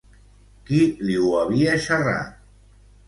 Qui li ho havia xerrat?